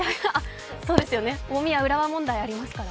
そうですね大宮・浦和問題がありますから。